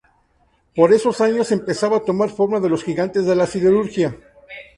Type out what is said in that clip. Por esos años empezaban a tomar forma los gigantes de la siderurgia.